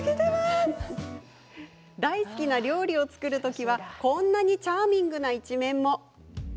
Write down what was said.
大好きな料理を作る時はこんなにチャーミングな一面も。